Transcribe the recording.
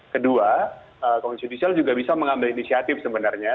kedua komisi judisial juga bisa mengambil inisiatif sebenarnya